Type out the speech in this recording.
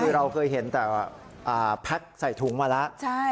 คือเราเคยเห็นแต่แพ็คใส่ถุงมาแล้ว